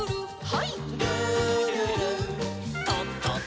はい。